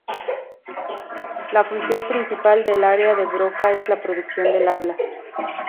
La función principal del área de Broca es la producción del habla.